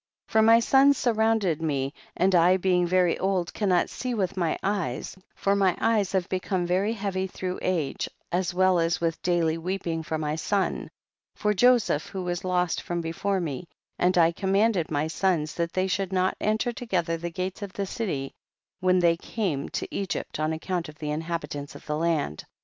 31. For my sons surrounded me and I being very old cannot see with my eyes, for my eves have become very heavy through age, as well as with daily weeping for my son, for Joseph who was lost from before me, and I commanded my sons that they should not enter together the gates of the city when they came to Egypt, on account of the inhabitants of the land, 32.